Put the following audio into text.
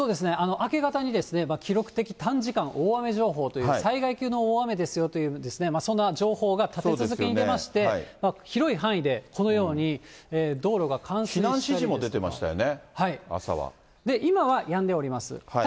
明け方にですね、記録的短時間大雨情報という、災害級の大雨ですよというね、そんな情報が、立て続けに出まして、広い範囲でこのように道路が冠水したりですとか。